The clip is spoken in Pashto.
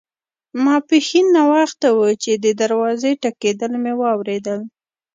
ماپښین ناوخته وو چې د دروازې ټکېدل مې واوریدل.